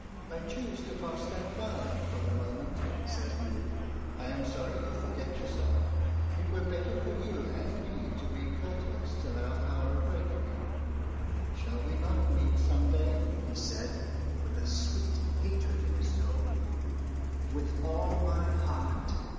"I choose to pass that by, for the moment," said he. "I am sorry you forget yourself; it were better for you and me to be courteous till our hour of reckoning, Shall we not meet some day?" he said, with a sweet hatred in his tone. "With all my heart."